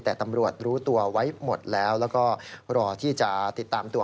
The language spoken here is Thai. แต่ตำรวจรู้ตัวไว้หมดแล้วแล้วก็รอที่จะติดตามตัว